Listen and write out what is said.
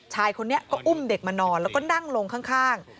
ชายคนนี้ก็อุ้มเด็กมานอนแล้วก็นั่งลงข้าง